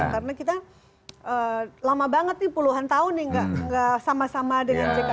karena kita lama banget nih puluhan tahun nih gak sama sama dengan jk